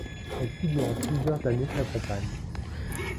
Elle fut durant plusieurs années sa compagne.